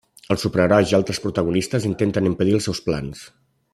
Els superherois i altres protagonistes intenten impedir els seus plans.